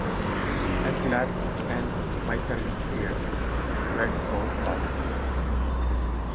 I'm glad to end my career here, where it all started.